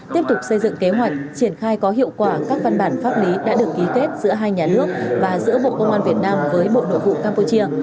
tiếp tục xây dựng kế hoạch triển khai có hiệu quả các văn bản pháp lý đã được ký kết giữa hai nhà nước và giữa bộ công an việt nam với bộ nội vụ campuchia